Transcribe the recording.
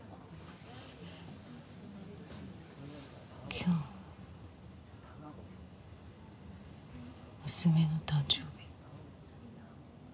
今日娘の誕生日